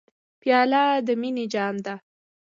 پیاله د مینې جام ده.